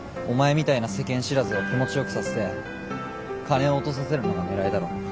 お前みたいな世間知らずを気持ちよくさせて金を落とさせるのが狙いだろ。